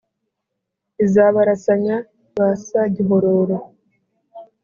iza barasanya ba sagihororo